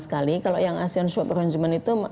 kalau yang asean swap arrangement itu